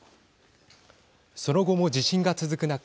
その後も地震が続く中